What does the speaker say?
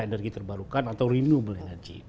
energi terbarukan atau renewable energy